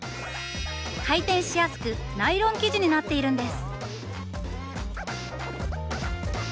回転しやすくナイロン生地になっているんです！